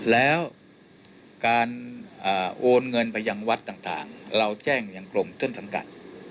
แล้วการโอนเงินไปยังวัดต่างเราแจ้งอย่างกรมต้นสังกัด